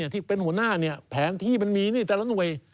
ที่เป็นหัวหน้าแผนที่มันมีนี่แต่ละหน่วย